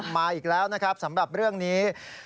มาอีกแล้วนะครับสำหรับเรื่องนี้